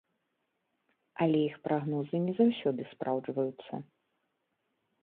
Але іх прагнозы не заўсёды спраўджваюцца.